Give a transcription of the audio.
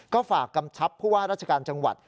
ก็ฝากกำชับผู้ว่าราชการจังหวัด